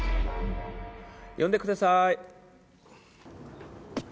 呼んでください。